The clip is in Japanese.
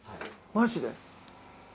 マジで？